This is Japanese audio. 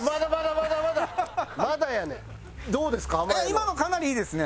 今のかなりいいですね。